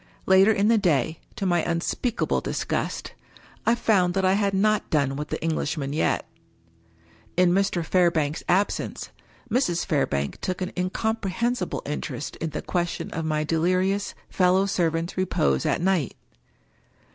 Later in the day, to my unspeakable dis gust, I found that I had not done with the Englishman yet. In Mr. Fairbank's absence, Mrs. Fairbank took an incom prehensible interest in the question of my delirious fellow servant's repose at night.